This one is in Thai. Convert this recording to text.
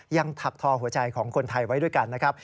ถักทอหัวใจของคนไทยไว้ด้วยกันนะครับ